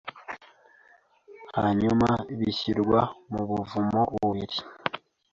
hanyuma Bishyirwa mu buvumo bubiri